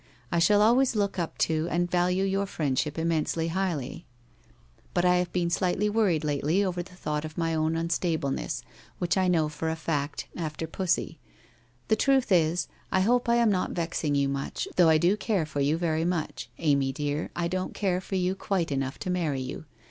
I shall always look lip to and value your friendship immensely highly, but I 48 WHITE ROSE OF WEARY LEAF have been slightly worried lately over the thought of my own unstdblenes8 — which I know for a fact, after Pussy. llic truth is —/ hope I am not vexing you much — though I do care for you very much. Amy dear, I don't care for you quite enough to marry you.